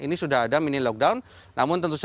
ini sudah ada mini lockdown